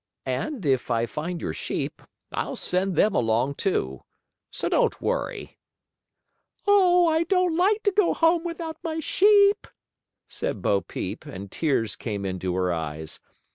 And, if I find your sheep, I'll send them along, too. So don't worry." "Oh, but I don't like to go home without my sheep," said Bo Peep, and tears came into her eyes.